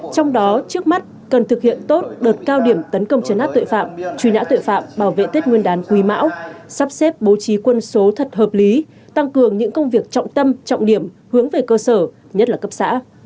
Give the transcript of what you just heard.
trong đó trước mắt cần thực hiện tốt đợt cao điểm tấn công chấn áp tội phạm truy nã tuệ phạm bảo vệ tết nguyên đán quý mão sắp xếp bố trí quân số thật hợp lý tăng cường những công việc trọng tâm trọng điểm hướng về cơ sở nhất là cấp xã